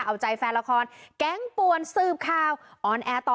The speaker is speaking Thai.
เอาใจแฟนละครแก๊งป่วนสืบข่าวออนแอร์ต่อ